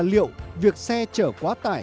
liệu việc xe chở quá tải